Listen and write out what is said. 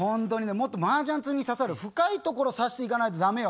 もっとマージャン通に刺さる深いところ刺していかないとダメよ。